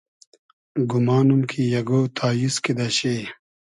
گومانوم کی اگۉ تاییز کیدۂ شی